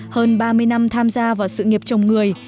hơn ba mươi năm tham gia vào sự nghiệp chồng người